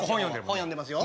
本読んでますよ。